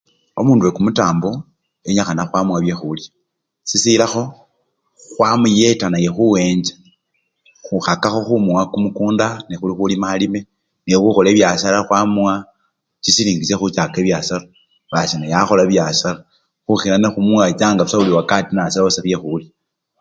Omundu wekumutambo enyikhana khwamuwa byekhulya, sisilakho khwamuyeta naye khuyenja, khukhakakho khumuwa kumukunda neli khulima alime nelikhukhola ebyasara khwamuwa chisilingi chekhuchaka ebyasara basi naye wakhola bibyasara khukhila nekhumuwechanga busa buli wakati nasaba sabyekhulya.